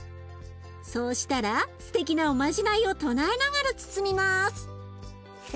そうしたらすてきなおまじないを唱えながら包みます。